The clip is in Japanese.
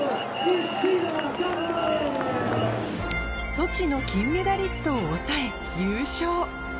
「ソチ」の金メダリストを抑え優勝！